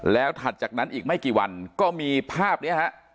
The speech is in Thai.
แล้วถัดจากนั้นอีกไม่กี่วันก็มีภาพนี้ฮะ